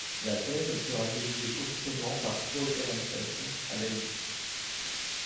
La thèse sera dirigée officiellement par Paul Ehrenfest à Leyde.